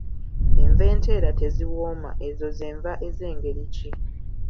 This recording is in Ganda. Enva enteera teziwooma. Ezo ze nva ez'engeri ki?